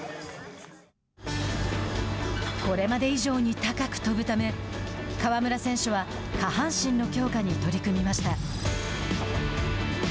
これまで以上に高く飛ぶため川村選手は下半身の強化に取り組みました。